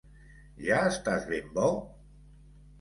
Ja estàs ben bo?